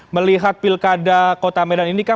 melihat pilkada kota medan ini kan